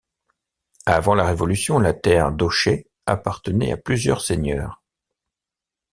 Avant la révolution, la terre d’ Ochey appartenait à plusieurs seigneurs.